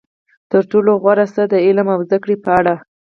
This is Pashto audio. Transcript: تر ټولو غوره څه د علم او زده کړې په اړه.